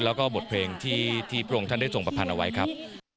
แล้วก็บทเพลงที่พระองค์ท่านได้ทรงประพันธ์เอาไว้ครับ